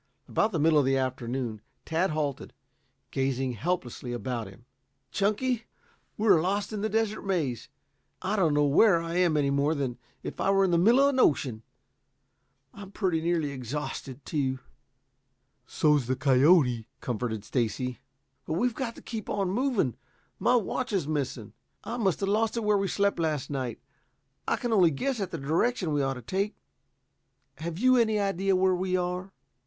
About the middle of the afternoon Tad halted, gazing helplessly about him. "Chunky, we're lost in the Desert Maze. I don't know where I am any more than if I were in the middle of an ocean. I'm pretty nearly exhausted, too." "So's the coyote," comforted Stacy. "But we've got to keep on going. My watch is missing. I must have lost it where we slept last night. I can only guess at the direction we ought to take. Have you any idea where we are?"